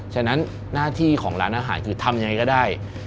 ฉะนั้นหน้าที่ของร้านอาหารคือทำยังไงก็ได้